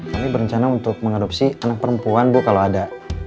kami berencana untuk mengadopsi anak perempuan bu kalau ada